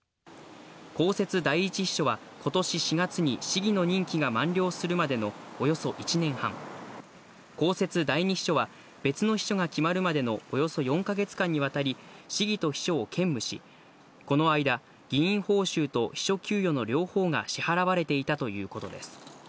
公設第１秘書はことし４月に市議の任期が満了するまでのおよそ１年半、公設第２秘書は別の秘書が決まるまでのおよそ４か月間にわたり、市議と秘書を兼務し、この間、議員報酬と秘書給与の両方が支払われていたということです。